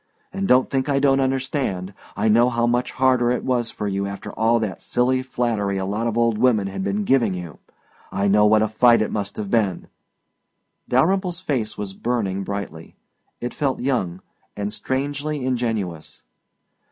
And don't think I don't understand. I know how much harder it was for you after all that silly flattery a lot of old women had been giving you. I know what a fight it must have been " Dalyrimple's face was burning brightly. It felt young and strangely ingenuous.